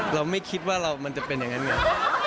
เราไม่คิดว่ามันจะเป็นอย่างนั้นไง